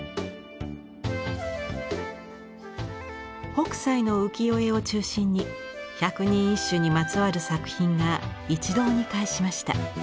北斎の浮世絵を中心に百人一首にまつわる作品が一堂に会しました。